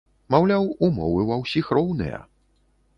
Маўляў, умовы ва ўсіх роўныя.